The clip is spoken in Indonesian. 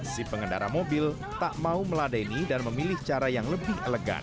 si pengendara mobil tak mau meladeni dan memilih cara yang lebih elegan